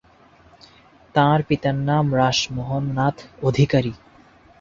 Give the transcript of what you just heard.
তার পিতার নাম রাশ মোহন নাথ অধিকারী।